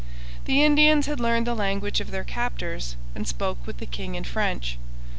The Indians had learned the language of their captors and spoke with the king in French.